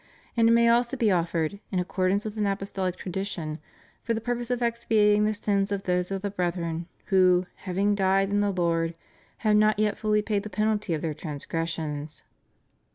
And it may also be offered — in accordance with an apostolic tradition — for the purpose of expiating the sins of those of the brethren who, having died in the Lord, have not yet fully paid the penalty of their transgressions.